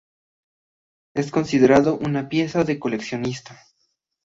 Es considerado una pieza de coleccionista.